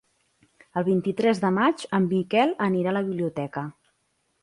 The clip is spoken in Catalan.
El vint-i-tres de maig en Miquel anirà a la biblioteca.